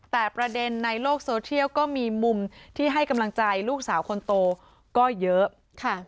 แต่ประเด็นในโลกโซเทียลก็มีมุมที่ให้กำลังใจลูกสาวคนโตก็เยอะค่ะ